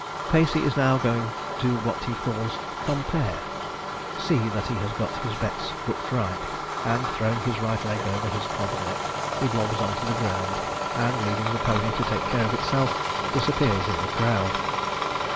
Pacey is now going to what he calls 'compare' see that he has got his bets booked right; and, throwing his right leg over his cob's neck, he blobs on to the ground; and, leaving the pony to take care of itself, disappears in the crowd.